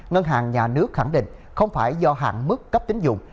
ngân hàng nhà nước khẳng định không phải do hạn mức cấp tính dụng